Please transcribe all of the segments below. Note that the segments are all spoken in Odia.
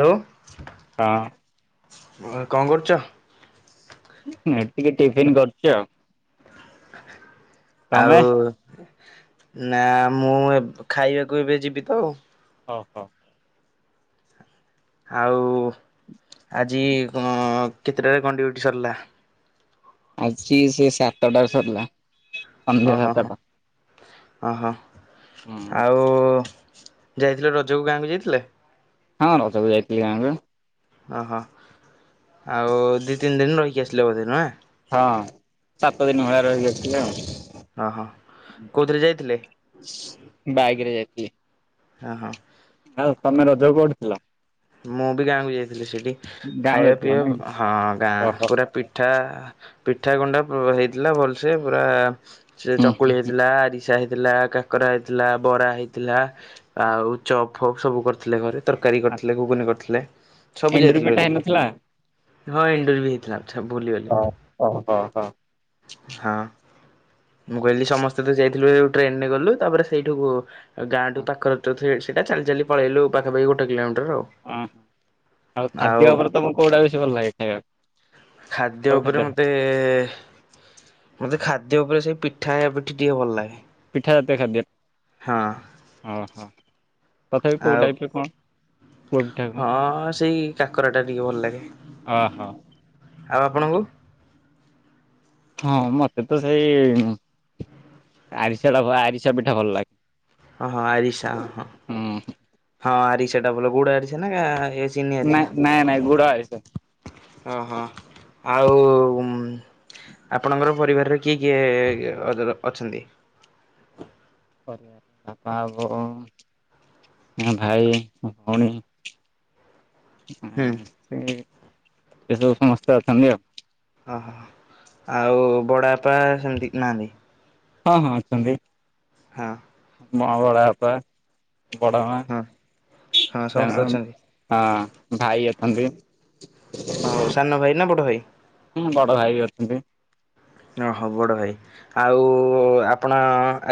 ହାଲୋ, ହଁ [inaudible] କଣ କରୁଛ? ଏଇଠି ଟିକେ ଟିଫିନ୍ କରୁଛି ଆଉ। ତମେ? ଆଉ ନା ମୁଁ ଏବ ଖାଇବାକୁ ଏବେ ଯିବି ତ ଆଉ। ହଉ ହଉ। ଆଉ ଆଜି କଣ କେତେଟାରେ କଣ ଡିୟୁଟି ସରିଲା? ଆଜି ସେ ସାତଟାରେ ସରିଲା। ସନ୍ଧ୍ୟା ଅ ହ ହ ହଁ। ସାତଟା। ଅ ହ, ହୁଁ ଆଉ ଯାଇଥିଲେ ରଜକୁ ଗାଁକୁ ଯାଇଥିଲେ? ହଁ ରଜକୁୁ ଯାଇଥିଲି ଗାଁକୁ। ଅ ହ ଆଉ ଦି ତିନି ଦିନ ରହିକି ଆସିଲେ ବୋଧେ ନୁହେଁ! ହଁ ସାତ ଦିନ ଭଳିଆ ରହିକି ଆସିଥିଲି ଆଉ। ଅ ହ, କୋଉଥିରେ ଯାଇଥିଲେ? ବାଇକ୍ ରେ ଯାଇଥିଲି। ହ, ହଁ। ଆଉ ତମେ ରଜକୁ କୋଉଠି ଥିଲ? ମୁଁ ବି ଗାଁକୁ ଯାଇଥିଲି ସେଇଠି ଗାଁକୁ ଖାଇବା ଯାଇଥିଲ ନାଇଁ କି? ପିଇବା ହଁ ଗାଁ ଓହୋ ପୁରା ପି ଠା ପିଠା ଗଣ୍ଡା ହେଇଥିଲା ଭଲସ ପୁରା ସେ ହୁଁ ହୁଁ ଚକୁଳି ହେଇଥିଲା, ଆରି ଷା ହେଇଥିଲା, କାକରା ହେଇଥିଲା, ବରା ହେଇଥିଲା, ଆଉ ଚପ୍ ଫ ସବୁ କରିଥିଲେ ଘରେ ତରକାରୀ କରିଥିଲେ, ଗୁଗୁନି କରିଥିଲେ ସବୁ ଏଣ୍ଡୁରି ଯାଇଥିଲେ ପିଠା ହେଇନଥିଲା? [unintelligible] ହଁ ଏଣ୍ଡୁରୀ ବି ହେଇଥିଲା ଆଛା ଭୁଲିିଗଲି ହଁ ଓହୋ ହୋ। ହଁ। ମୁଁ କହିଲି ସମସ୍ତେ ତ ଯାଇଥିଲୁ ହେଇ ଟ୍ରେନରେ ଗଲୁ ତାପରେ ସେଇଠୁକୁ ଆଉ ଗାଁଠୁ ପାଖରେ [unintelligible] ସେଇଟା ଚାଲି ଚାଲି ପଳେଇଲୁ ପାଖାପାଖି ଗୋଟେ କିଲୋମିଟର ଆଉ। ଓହୋ ଆଉ ଖାଦ୍ୟ ଉପରେ ତମକୁ କୋଉଟା ବେଶୀ ଭଲ ଲାଗେ ଖାଇବାକୁ? ଖାଦ୍ୟ କୋଉ ଉପରେ ଖାଦ୍ୟଟା? ମତେ ଏ ମୋତେ ଖାଦ୍ୟ ଉପରେ ସେଇ ପିଠା ହେବ ପିଠି ଟିକେ ଭଲ ଲାଗେ। ପିଠା ଜାତୀୟ ଖାଦ୍ୟ ହଁ ଅ ହ ତଥାପି କୋଉ ଆଉ ଟାଇପର କଣ? କୋଉ ପିଠା କଣ? ହଁ ସେଇ କାକରା ଟା ଟିକେ ଭଲ ଲାଗେ। ଓହୋ ଆଉ ଆପଣଙ୍କୁ? ହଁ ମତେ ତ ସେଇ ଆରିସାଟା ଆରିସା ପିଠା ଭଲ ଲାଗେ। ଓ ହଁ ଆରିସା ହଁ ହୁଁ ହଁ ଆରିସାଟା ଭଲ ଗୁଡ ଆରିସା ଗାଁ ଏ ନାଇଁ ନାଇଁ ନାଇଁ ଗୁଡ ଆରିସା। ଓ ହଁ ଆଉ ଆପଣଙ୍କର ପରିବାରରେ କିଏ କିଏ ଅଦର୍ ଅଛନ୍ତି? ପରିବାରରେ ବାପା ବୋଉ ଆଉ ଭାଇ ମୋ ଭଉଣୀ ହୁଁ। ସେଇ ଏ ସବୁ ସମସ୍ତେ ଅଛନ୍ତି ଆଉ। ଅ ହ, ଆଉ ବଡ଼ପା ସେମିତି ନାହାନ୍ତି? ହଁ ହଁ ଅଛନ୍ତି। ହଁ। ମୋ ବଡ଼ ବାପା ବଡ଼ମା ହଁ ହଁ ସମସ୍ତେ [unintelligible] ଅଛନ୍ତି। ହଁ ଭାଇ ଅଛନ୍ତି। ହଉ ସାନ ଭାଇ ନା ବଡ ଭାଇ ବଡ ଭାଇ ବି ଅଛନ୍ତି ଓହୋ ବଡ ଭାଇ। ଆଉ ଆପଣ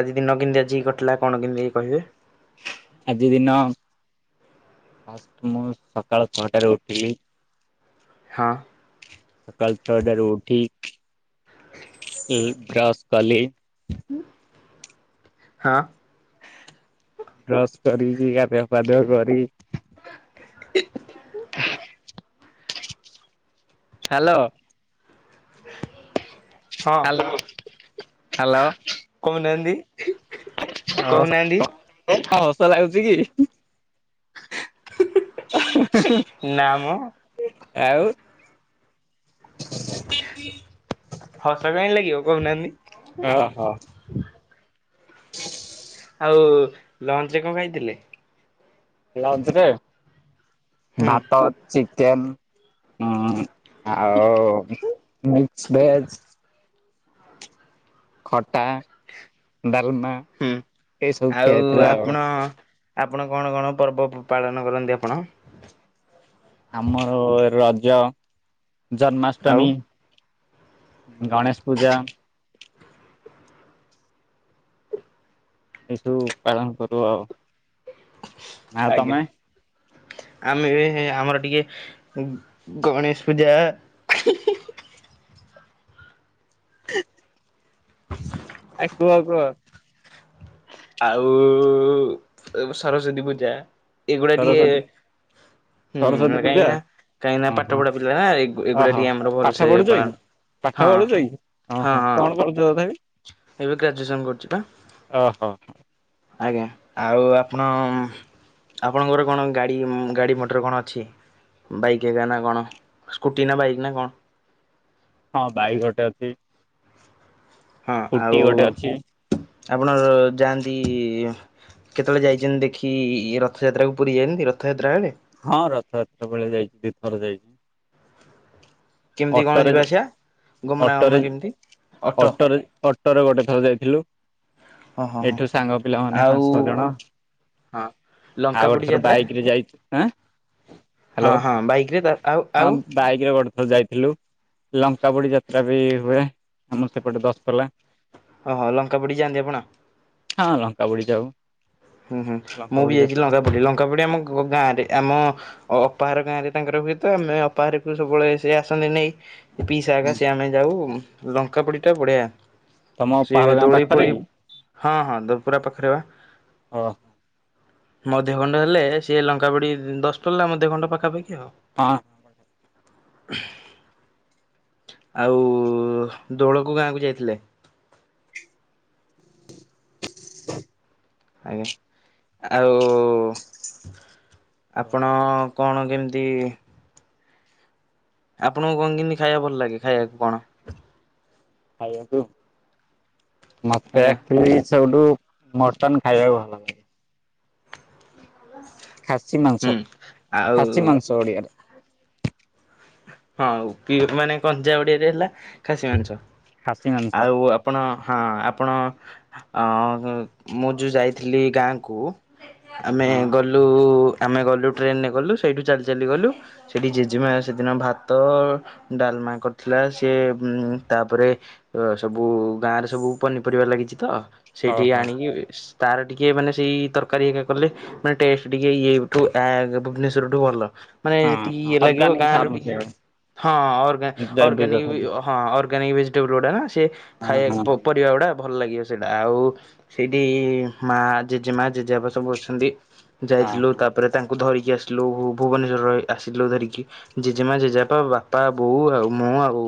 ଆଜି ଦିନ କେମିତି ଆଜି କଟିଲା କଣ କେମିତି କହିବେ। ଆଜି ଦିନ ଫାଷ୍ଟ ମୁଁ ସକାଳ ଛଅଟାରେ ଉଠିଲି। ହଁ। ସକାଳୁ ଛ ଟା ରୁ ଉଠି। [inaudible] କି ବ୍ରସ୍ କଲି। ହାଁ। ବ୍ରସ କରିକି ଗାଧୁଆ ପାଧୁଆ କରି। [inaudible] ହାଲୋ। [inaudible] Hello hello. କହୁ ନାହାନ୍ତିି। ହଁ ହ କଁ ହସ ଲାଗୁଚି କି? ନା ମ। ଆଉ। ହସ କାଇଁ ଲାଗିବ କହୁ ନାହାନ୍ତିି। ଅ ହ। [inaudible] ଆଉ ଲଞ୍ଚ ରେ କଁ ଖାଇଥିଲେ? ଲଞ୍ଚ ରେ ହୁଁ ଭାତ ଚି କନ୍ ଉଁ ଆଉ ମିକ୍ସ ଭେଜ। ଖଟା, ଡାଲମା। ହୁଁ ଏଇ ସବୁ ଖିଆ ଆଉ ହେଇଥିଲା ଆଉ ଆପଣ। ଆପଣ କଣ କଣ ପର୍ବ ପାଳନ କରନ୍ତି ଆପଣ। ଆମର ହୁଏ ରଜ, ଆଉ? ଜନ୍ମାଷ୍ଟମୀ। ଗଣେଶ ପୂଜା। ଏସବୁ ପାଳନ କରୁ ଆଉ। ଆଉ ତମେ ଆଜ୍ଞା। ଆମେ ବୀ ଆମର ଟିକେ ଗଣେଶ ପୂଜା। [unintelligible] ହ ଆଉ କୁହ କଁ। ଆଉ ଏ ସରସ୍ଵତୀ ପୂଜା ଏଇଗୁଡା ଟିକେ। ସରସ୍ଵତୀ ହୁଁ ସରସ୍ଵତୀ ପୂଜା କାହିଁକି ନା କାହିଁନା ପାଠ ଓହୋ ପଢା ପିଲା ନା ଏଗୁଡା ଓହୋ ଟିକେ ଆମର ପାଠ ଭଲସେ ପଢୁଛ କି ପାଳନ‌। ପାଠ ହଁ ପଢୁଛ କି ହଁ ଓହୋ ହଁ କଣ କରୁଛ ତଥାପି ଏବେ ଗ୍ରାଜୁଏସନ କରୁଛି ବା। ଓ ହୋ। ଆଜ୍ଞା ଆଉ ଆପଣ। ଆପଣଙ୍କର କଣ ଗାଡ଼ି ଗାଡ଼ି ମଟର କଣ ଅଛି। ବାଇକ ଏକା ନା କଣ ସ୍କୁଟି ନା ବାଇକ ନା କଁ। ହଁ ବାଇକ ଗୋଟେ ଅଛି। ହଁ ସ୍କୁଟି ଆଉ ଗୋଟେ ଅଛି। ଆପଣ ଯାଆନ୍ତି। କେତେବେଳେ ଯାଇଛନ୍ତି ଦେଖି ରଥଯାତ୍ରାକୁ ପୁରୀ ଯାଇନାନ୍ତି ରଥଯାତ୍ରା ଏବେ। ହଁ ରଥଯାତ୍ରା ବେଳେ ଯାଇଛି ଦି ଥର ଯାଇଛି। କେମିତି କଣ ଅଟୋରେ ଯିବା ଆସିବା। ଗମନାଗମନ ଅଟୋରେ କେମିତି ଅଟୋ ଅଟୋରେ ଅଟୋରେ ଗୋଟେ ଥର ଯାଇଥିଲୁ। ହଁ ହଁ ହଁ ଏଇଠୁ ସାଙ୍ଗ ପିଲା ମାନେ ଆଉ ପାଞ୍ଚ ଛଅ ଜଣ ହଁ ଆଉ ଲଙ୍କାପୋଡି ଗୋଟେଥର ଯାତ୍ରା ବାଇକରେ ଯାଇ ହଁ ହଁ ବାଇକରେ ତାର ଆଉ ଆଉ ବାଇକରେ ଗୋଟେ ଥର ଯାଇ ଥିଲୁ। ଲଙ୍କା ପୋଡି ଯାତ୍ରା ବି ହୁଏ ଆମର ସେପଟେ ଦଶପଲା। ଓହୋ ଲଙ୍କା ପୋଡ଼ି ଯାଆନ୍ତି ଆପଣ? ହଁ ଲଙ୍କା ପୋଡି ଯାଉ। ହୁଁ ହୁଁ ମୁଁ ଲଙ୍କାପୋଡି ବି ଯାଇଛି ଯାତ୍ରା ଲଙ୍କା ପୋଡି ଲଙ୍କା ପୋଡି ଆମ ଗ ଗାଁରେ ଆମ ଅପାଘର ଗାଁ ରେ ତାଙ୍କର ହୁଏତ ଆମେ ଅପାଘରେକୁ ସବୁବେଳେ ସେ ଆସନ୍ତି ନେଇ ଏ ପିଇସାହକ ସେ ଆମେ ଯାଉ ଲଙ୍କା ପୋଡି ଟା ବଢିଆ। ତମ ପାହାଡ ସିଏ ଗାଁ ଦୋଳି ପାଖରେ ଫୋଳି କି? ହଁ ହଁ ଦ ପୁରା ପାଖରେ ବା। ଓଃ। ମଧ୍ୟ ଖଣ୍ଡ ହେଲେ ସିଏ ଲଙ୍କା ପୋଡି ଦଶପଲା ମଧ୍ୟ ଖଣ୍ଡ ପାଖାପାଖି ଆଉ। ହଁ। ଆଉ ଦୋଳକୁ ଗାଁକୁ ଯାଇଥିଲେ? ଆଜ୍ଞା ଆଉ ଆପଣ କଣ କେମତି ଆପଣଙ୍କୁ କଣ କେମତି ଖାଇବାକୁ ଭଲ ଲାଗେ ଖାଇବାକୁ କଣ? ଖାଇବାକୁ, ମତେ ଆଜ୍ଞା ଏକ୍ଟୁଆଲୀ ସବୁଠୁ ମଟନ୍ ଖାଇବାକୁ ଭଲ ଲାଗେ। ହୁଁ ଆଉ ଚଡ଼ିବାରେ। ହଁ କି ମାନେ କଞ୍ଚା ଓଡିଆରେ ହେଲା ଖାସି ମାଂସ ଖାସି ମାଂସ ଆଉ ଆପ୍ ପଣ ହଁ ଆପଣ ଅ ମୁଁ ଯୋଉ ଯାଇଥିଲି ଗାଁକୁ ଆମେ ହଁ। ଗଲ୍ ଲୁ ଆମେ ଗଲୁ ଟ୍ରେନରେ ଗଲୁ ସେଇଠୁ ଚାଲି ଚାଲି ଗଲୁ ସେଠି ଜେଜେମା ସେଦିନ ଭାତ ଡାଲମା କରିଥିଲା ସିଏ ଉଁ ତାପରେ ଅ ସବୁ ଗାଁରେ ସବୁ ପନିପରିବା ଲାଗିଛି ତ ସେଇଠି ଓହୋ ଆଣିକି ତାର ଟିକେ ମାନେ ସେଇ ତରକାରୀ ହରିକା କଲେ। ମାନେ ଟେଷ୍ଟ ଟିକେ ଏଇ ଏଇଠୁ ଆ ଭୁବନେଶ୍ଵରଠୁ ଭଲ ମାନେ ହଁ ଯେତିକି ଇଏ ଲାଗିବ ଅର୍ଗାନିକ ଗାଁରୁ ଫାର୍ମ ଟିକେ, ସେଇଗୁଡା ହଁ ଅରଗା ଜୈବିକ ଅରଗାନିକ୍ ବି ଖାଦ୍ୟ ଅ ହଁ ଅର୍ଗାନିକ ଭେଜିଟେବୁଲ୍ ଗୁଡା ନା ସେ ହଁ ଖାଇବାକୁ ହଁ ପ ପରିବା ଗୁଡ଼ା ଭଲ ଲାଗିବ। ସେଇଟା ଆଉ ସେଇଠି ମା ଜେଜେମା ଜେଜେବାପା ସବୁ ଅଛନ୍ତି। ହଁ ଯାଇଥିଲୁ ତାପରେ ତାଙ୍କୁ ଧରିକି ଆସିଲୁ ଭୁ ଭୁବନେଶ୍ୱର ରହି ଆସିଲୁ ଧରିକି। ଜେଜେମା, ଜେଜେବାପା, ବାପା, ବୋଉ, ଆଉ ମୁଁ ଆଉ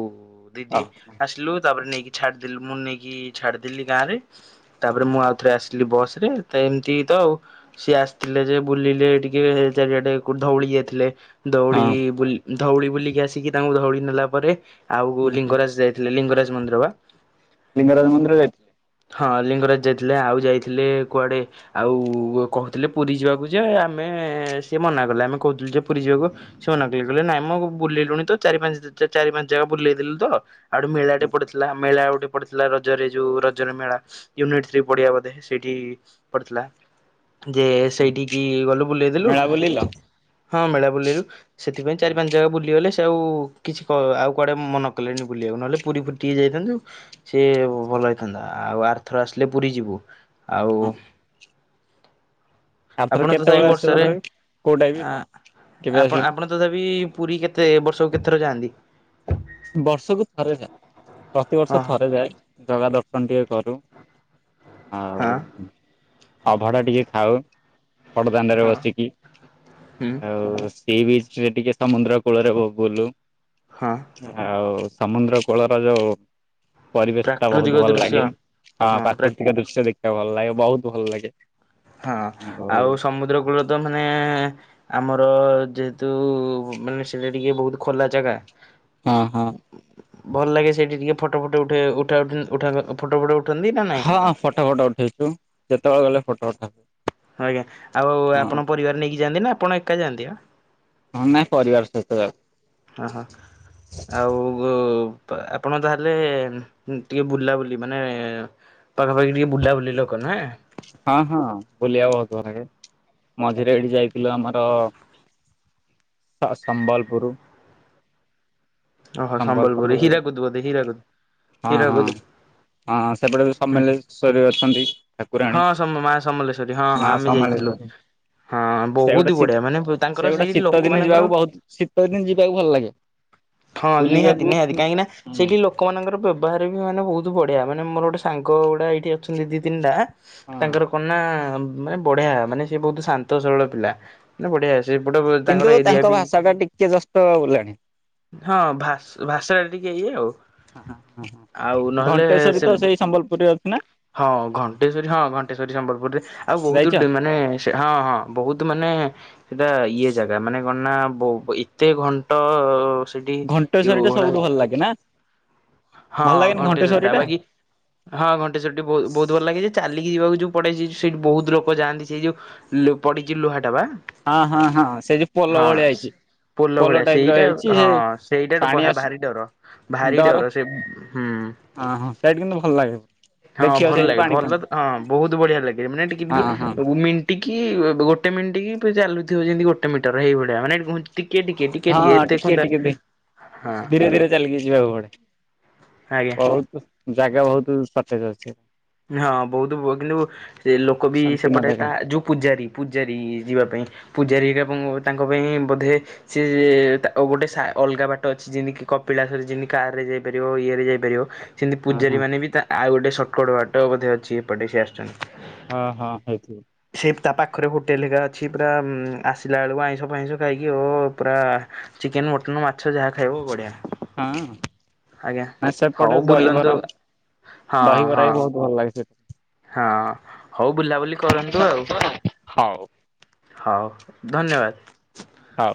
ଦିଦି। ହଁ ଆସିଲୁ ତାପରେ ନେଇକି ଛାଡିଦେଲୁ, ମୁଁ ନେଇକି ଛାଡିଦେଲି ଗାଁ ରେ। ତାପରେ ମୁଁ ଆଉଥରେ ଆସି ଥିଲି ବସରେ ତ ଏମତି ତ ଆଉ। ସିଏ ଆସିଥିଲେ ଯେ ବୁଲିଲେ ଟିକେ ଚାରିଆଡେ କୋଉଠି ଧଉଳି ଯାଇଥିଲେ। ଧଉଳି ହଁ ବୁଲି ଧଉଳି ବୁଲିକି ଆସିକି ତାଙ୍କୁ ଧଉଳି ନେଲା ପରେ ଆଉ ହଁ ଲିଙ୍ଗରାଜ ଯାଇ ଥିଲେ ଲିଙ୍ଗରାଜ ମନ୍ଦିର ବା। ଲିଙ୍ଗରାଜ ମନ୍ଦିର ଯାଇ ହଁ ଲିଙ୍ଗରାଜ ଯାଇଥିଲେ ଆଉ ଯାଇଥିଲେ କୁଆଡେ ଆଉ କହୁଥିଲେ ପୁରୀ ଯିବାକୁ ଯେ ଆମେ ସିଏ ମନା କଲେ ଆମେ କହୁଥିଲୁ ଯେ ପୁରୀ ଯିବାକୁ ସେ ମନା କଲେ କଲେ ନାଇଁ ମ ବୁଲେଇଲୁଣି ତ ଚାରି ପାଞ୍ଚ ଜ ଚ ଚାରି ପାଞ୍ଚ ଜାଗା ବୁଲେଇଦେଲୁ ତ ଆ ଗୋଟେ ମେଳା ଟେ ପଡଥିଲା ଆ ମେଳା ଗୋଟେ ପଡ୍ ଥିଲା ରଜରେ ଯୋଉ ରଜର ମେଳା ୟୁନିଟ ଥ୍ରି ପଡ଼ିଆ ବୋଧେ ସେଇଠି ପଡିଥିଲା। ଯେ ସେଇଠିକି ଗଲୁ ବୁଲେଇଦେଲୁ ମେଳା ବୁଲିଲ? ସେ ହଁ ମେଳା ବୁଲେଇଲୁ ସେ ଥିପାଇଁ ଚାରି ହଁ ପାଞ୍ଚ ଜାଗା ବୁଲି ଲି ଗଲେ ସେ ଆଉ କିଛି କ ଆଉ କୁଆଡେ ମନ କଲେନି ବୁଲିଆକୁ ନହେଲେ ପୁରୀ ଫୁ ଟିକେ ଯାଇଥାନ୍ତୁ। ସିଏ ଭଲ ହେଇଥାନ୍ତା ଆଉ ଆର୍ଥର ଆସିଲେ ପୁରୀ ଯିବୁ ଆଉ ଆରଥର ଆପଣ ତଥାପି କେତେବେଳେ ଆସିବ ବର୍ଷାରେ ତଥାପି କୋଉ ଟାଇମ୍ ଆ କେବେ ଆପଣ ଆସିବ? ଆପଣ ତଥାପି ପୁରୀ କେତେ ବର୍ଷକୁ କେଥର ଯାଆନ୍ତି? ବର୍ଷକୁୁ ଥରେ ଯାଏ ପ୍ରତିବର୍ଷ ହଁ ଥରେ ଯାଏ ଜଗା ଦର୍ଶନ ଟିକେ କରୁ। ଆଉ ହଁ ଅଭଡା ଟିକେ ଖାଉ। ବଡ଼ଦାଣ୍ଡରେ ବସିକି ହୁଁ ଆଉ ସେଇ ବିଚ ରେ ଟିକେ ସମୁଦ୍ର କୂଳରେ ବ ବୁଲୁ। ହଁ। ଆଉ ସମୁଦ୍ର କୂଳର ଯୋଉ ପରିବେଶ ଟା ପ୍ରାକୃତିକ ବହୁତ ଭଲ ଦୃଶ୍ୟ ଲାଗେ ଆ ହଁ ପ୍ରା ପ୍ରାକୃତିକ ଦୃଶ୍ୟ ଦେଖିବାକୁ ଭଲ ଲାଗେ ବହୁତ ଭଲ ଲାଗେ। ହଁ ଆଉ ସମୁଦ୍ର କୂଳ ତ ମାନେ ଆମର ଯେହେତୁ ମାନେ ସେଟା ଟିକେ ବହୁତ ଖୋଲା ଜାଗା ଅ ହଁ। ଭଲ ଲାଗେ ସେଇଠି ଟିକେ ଫଟୋ ଫଟ ଉଠେଇଆକୁ ଉଠା ଉଠି ଉଠା କ ଫୋଟ ଫୁଟ ଉଠୁଅନ୍ତି ନା ନାଇଁ? ହଁ ଫଟୋ ଫଟୋ ଉଠେଇଛୁ ଯେତେବେଳେ ଗଲେ ଫଟୋ ଉଠାଉ। ଆଜ୍ଞା ଆଉ ଆପଣ ପରିବାର ନେଇକି ଯାଆନ୍ତି ନା ଆପଣ ଏକା ଯାଆନ୍ତି ବା। ହଁ ନାଇଁ ପରିବାର ସହିତ ଯାଉ। ଅହ। ଆଉ ଗୋ କ ଆପଣ ତାହେଲେ ଟିକେ ଉ ବୁଲାବୁଲି ମାନେ ପାଖାପାଖି ଟିକେ ବୁଲା ବୁଲି ଲୋକ ନା? ହଁ ହଁ ବୁଲିବା ବହୁତ ଭଲାଗେ ମଝିରେ ଏଇଠି ଯାଇଥିଲୁ ଆମର ସ ସମ୍ବଲପୁରୁ। ଓହୋ ସମ୍ବଲପୁର ସମ୍ବଲପୁରୁ ହୀରାକୁଦ ବୋଧେ ହୀରାକୁଦ ହଁ ହଁ ହୀରାକୁଦ ହଁ ସେପଟେ ବି ହୁଁ ସମଲେଇ ଶରି ଅଛନ୍ତି। ହଁ ଠାକୁରାଣୀ ସ ମା ସମଲେଶ୍ଵରୀ ହଁ ମା ହଁ ଆମେ ଯାଇଥିଲୁ। ସମଲେଶ୍ଵରୀ। ହଁ ସେ ଗୋଟେ ବହୁତ ଶୀ ବଢିଆ ମାନେ ପ ସେ ତାଙ୍କର ଗୋଟେ ସେଇ ଶୀତ ଲୋକ ଦିନେ ମାନଙ୍କର ଯିବାକୁ ବହୁତ ଶୀତ ଦିନେ ଯିବାକୁ ଭଲ ଲାଗେ ହଁ ବୁଲିବାକୁ ନିହାତି ନିହାତି କାହିଁକି ନା ହୁଁ ସେଠି ଲୋ କମାନଙ୍କର ବ୍ୟବହାର ବି ମାନେ ବହୁତ ବଢ଼ିଆ ମାନେ ମୋର ଗୋଟେ ସାଙ୍ଗ ଗୁଡ଼ା ଏଇଠି ଅଛନ୍ତି ଦି ତିନିଟା ହଁ ତାଙ୍କର କଣ ନା ଅ ମାନେ ବଢିଆ ମାନେ ସେ ବହୁତ ଶାନ୍ତ ସରଳ ପିଲା। ନା ବଢିଆ ସେପଟ ବ କିନ୍ତୁ ତାଙ୍କର ଏରିଆ ତାଙ୍କ ବି ଭାଷା ଟା ଟିକେ ଜଷ୍ଟ ବୋଲାଣି। ହଁ ଭାସ୍ ଭାଷା ଟା ଟିକେ ଇଏ ଆଉ। ଆଉ ନହେଲେ ଘଣ୍ଟେଶ୍ଵରୀ ସେ ତ ସେଇ ସମ୍ବଲପୁରରେ ଅଛି ନା ହଁ ଘ ଣ୍ଟେଶ୍ଵରୀ ହଁ ଘଣ୍ଟେଶ୍ଵରୀ ସମ୍ବଲପୁରରେ ଆଉ ବହୁତୁ ଯାଇଛ? ଡେ ମାନେ ସେ ହଁ ହଁ ବହୁତୁ ମାନେ ସେଟା ଇଏ ଜାଗା ମାନେ କଣ ନା ବଉ ଏତେ ଘଣ୍ଟ ସେଠି ଏ ଘଣ୍ଟେଶ୍ଵରୀ ଟା ଓହଳା ହେଇଚି [unintelligible] ହଁ ଘଣ୍ଟେଶ୍ଵରୀ ଟା ବାକି ହଁ ଘଣ୍ଟେଶ୍ଵରୀ ଟି ବହୁ ବହୁତ ଭଲ ଲାଗେ ଯେ ଚାଲିକି ଯିବାକୁ ଯଉ ପଡେ ସେ ସେଇଠୁ ବହୁତ୍ ଲୋକ ଯାଆନ୍ତି ସେଇ ଯୋଉ ଲୋ ପଡିକି ଲୁହା ଡ଼ବା। ହଁ- ହଁ- ହଁ ସେ ଯଉ ପୋଲ ଭଳିଆ ହେଇଚି। ପୋଲ ଭଳିଆ ସେଇଟା ହଁ ସେଇଟା ପାଣି ଭା- ଆସୁ ଭାରି ଡର ଭାରି ଡର ସେ ହୁଁ। ହଁ -ହଁ [unintelligible] କିନ୍ତୁ ଭଲ ଲାଗେ। ହଁ ଦେଖିବ ଭଲ ସେଇଠି ଲାଗେ ପାଣି ଭଲ ଫାଣି ତ ହଁ ବହୁତ୍ ବଢିଆ ଲାଗେ ମାନେ ଟିକେ ହଁ ଟିକେ ହଁ। [unintelligible] ଟିକିଏ ଗୋଟେ ମିଣ୍ଟି କି ଫିର ଚାଲୁଥିବ ଯେମିତି ଗୋଟେ ମିଟର ହେଇ ଭଳିଆ ମାନେ [unintelligible] ଟିକେ -ଟିକେ -ଟିକେ- ଟିକେ ହଁ ଏତେ ଖୁନ୍ଦା ଟିକେ ହଁ। ଧୀରେ ଧୀରେ ଚାଲିକି ଯିବାକୁ ପଡେ ଆଜ୍ଞା। ବହୁତୁ ଜାଗା ବହୁତୁ ସଟେଜ ଅଛି। ହଁ ବହୁତୁ ବୁଗିଲୁ ସେ ଲୋକ ବି ସଂକୀର୍ଣ୍ଣ ସେପଟେ ଜାଗା ତା ଯଉ ପୂଜାରୀ ପୂଜାରୀ ଯିବା ପାଇଁ ପୂଜାରୀର ପ ତାଙ୍କ ପାଇଁ ବୋଧେ। ସିଏ ତା ଗୋଟେ ଅଲଗା ବାଟ ଅଛି ଜିନ୍ଦି କି କପିଳାସରେ ଯେମିତି କାର୍ ରେ ଯାଇପାରିବ ଇଏ ରେ ଯାଇପାରିବ। ସେମିତି ହଁ ପୂଜାରୀ ହଁ ମାନେ ବି ତା ଆଉ ଗୋଟେ ସଟ୍ କଟ୍ ବାଟ ବୋଧେ ଅଛି ଏପଟେ ସେ ଆସୁଚନ୍। ହଁ -ହଁ ହେଇଥିବ। ସେ ତା ପାଖରେ ହୋଟେଲେ ହେକା ଅଛି ପୁରା ଆସିଲା ବେଳକୁ ଆଇଁଷ ଫାଇଁଷ ଖାଇକି ଓ ପୁରା ଚିକେନ୍, ମଟନ୍, ମାଛ ଯାହା ଖାଇବ ବଢ଼ିଆ। ହଁ ଆଜ୍ଞା ଆ ହଉ ସେପଟେ ବୁଲନ୍ତୁ ଦହିବରା। ହଁ ଦହିିବରା ହଁ ବି ବହୁତ୍ ଭଲ ଲାଗେ ସେ ହଁ ହଉ ବୁଲାବୁଲି କରନ୍ତୁ ଆଉ। ହଉ। ହଉ ଧନ୍ୟବାଦ। ହଉ।